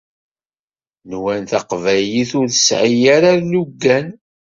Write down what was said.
Nwan taqbaylit ur tesɛi ara ilugan.